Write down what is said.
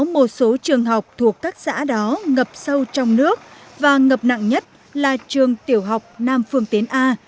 một số trường học thuộc các xã đó ngập sâu trong nước và ngập nặng nhất là trường tiểu học nam phương tiến a